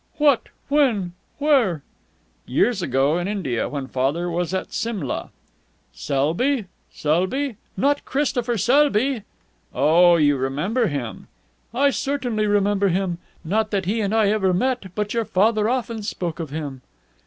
"What! When? Where?" "Years ago. In India, when father was at Simla." "Selby? Selby? Not Christopher Selby?" "Oh, you remember him?" "I certainly remember him! Not that he and I ever met, but your father often spoke of him."